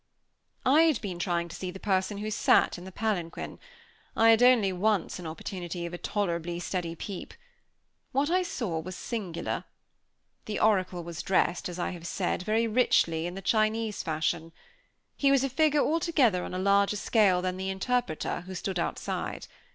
I had been trying to see the person who sat in the palanquin. I had only once an opportunity of a tolerably steady peep. What I saw was singular. The oracle was dressed, as I have said, very richly, in the Chinese fashion. He was a figure altogether on a larger scale than the interpreter, who stood outside.